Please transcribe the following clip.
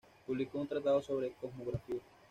Publicó un tratado sobre cosmografía.